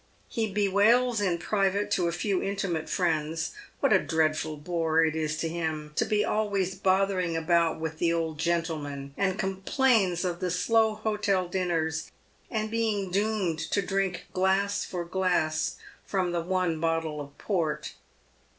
He bewails in private, to a few intimate friends, what a dreadful bore it is to him to be always bothering about with the old gentleman, and complains of the slow hotel dinners, and beiug doomed to drink glass for glass from the one bottle of port.